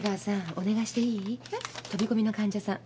飛び込みの患者さん。